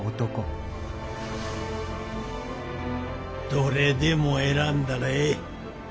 どれでも選んだらええ。